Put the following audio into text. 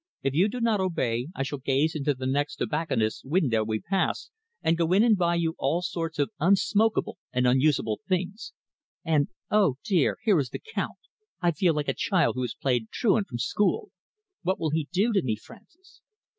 If you do not obey, I shall gaze into the next tobacconist's window we pass, and go in and buy you all sorts of unsmokable and unusable things. And, oh, dear, here is the Count! I feel like a child who has played truant from school. What will he do to me, Francis?"